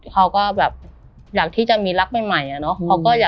เขาก็แบบอยากที่จะมีรักใหม่อะเนาะ